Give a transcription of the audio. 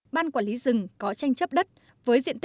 ban quản lý rừng có tranh chấp đất